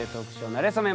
なれそめ」